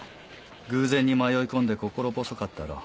偶然に迷い込んで心細かったろう。